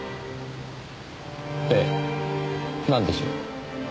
ええなんでしょう？